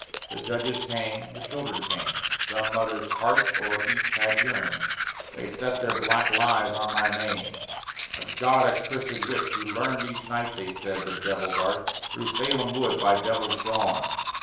The judges came, the children came (Some mother's heart o'er each had yearned), They set their black lies on my name: "A God accursèd witch who learned "Each night (they said) the Devil's art, Through Salem wood by devils drawn."